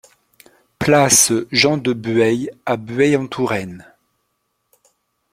Place Jean de Bueil à Bueil-en-Touraine